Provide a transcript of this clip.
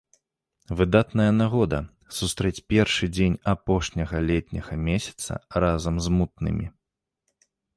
Выдатная нагода сустрэць першы дзень апошняга летняга месяца разам з мутнымі!